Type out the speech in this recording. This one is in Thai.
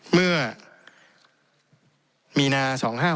เมื่อมีนา๒๕๖